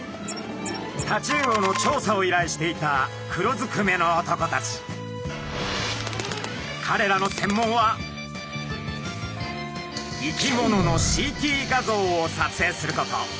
タチウオの調査をいらいしていたかれらの専門は生き物のＣＴ画像を撮影すること。